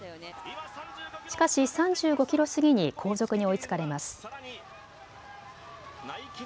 しかし３５キロ過ぎに後続に追いつかれます。